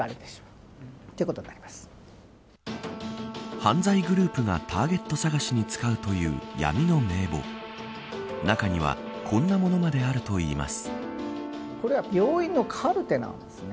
犯罪グループがターゲット探しに使うという闇の名簿中には、こんなものまであるといいます。